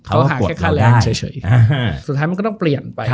เขาหาแค่ค่าแรงเฉยสุดท้ายมันก็ต้องเปลี่ยนไป